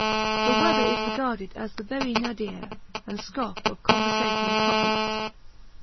The weather is regarded as the very nadir and scoff of conversational topics.'